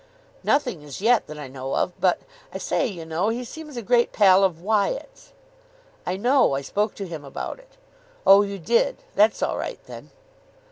"Nothing as yet, that I know of; but, I say, you know, he seems a great pal of Wyatt's." "I know. I spoke to him about it." "Oh, you did? That's all right, then."